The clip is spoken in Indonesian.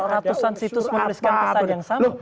ratusan situs menuliskan pesan yang sama